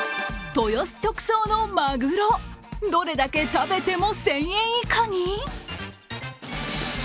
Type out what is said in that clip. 豊洲直送のマグロ、どれだけ食べても１０００円以下に？！